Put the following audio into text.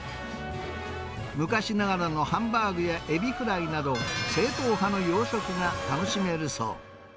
昔ながらのハンバーグやエビフライなど、正統派の洋食が楽しめるそう。